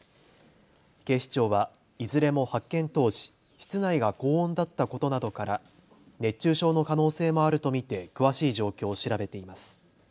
警視庁はいずれも発見当時、室内が高温だったことなどから熱中症の可能性もあると見て詳しい状況を調べています。